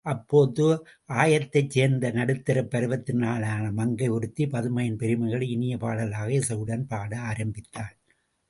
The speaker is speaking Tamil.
அப்போது ஆயத்தைச் சேர்ந்த நடுத்தரப் பருவத்தினளான மங்கை ஒருத்தி, பதுமையின் பெருமைகளை இனிய பாடலாக இசையுடன் பாட ஆரம்பித்தாள்.